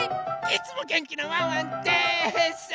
いつも元気なワンワンです。